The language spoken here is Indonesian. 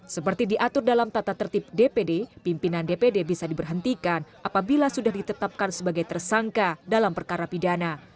seperti diatur dalam tata tertib dpd pimpinan dpd bisa diberhentikan apabila sudah ditetapkan sebagai tersangka dalam perkara pidana